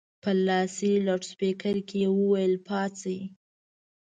په لاسي لوډسپیکر کې یې وویل پاڅئ.